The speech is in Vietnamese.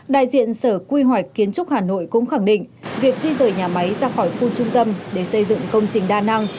đại diện sở quy hoạch kiến trúc hà nội cũng khẳng định việc di rời nhà máy ra khỏi khu trung tâm để xây dựng công trình đa năng